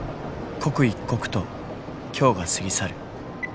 刻一刻と今日が過ぎ去る。